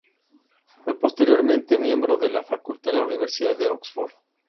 Fue posteriormente miembro de la facultad en la Universidad de Oxford.